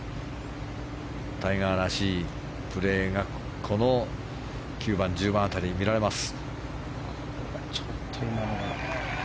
タイガーらしいプレーがこの９番、１０番辺りに見られます。